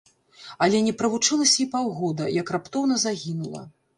Але не правучылася і паўгода, як раптоўна загінула.